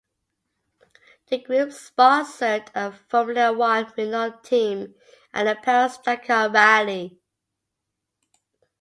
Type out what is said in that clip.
The group sponsored a Formula One Renault team and the Paris-Dakar rally.